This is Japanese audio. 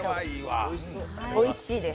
おいしいです。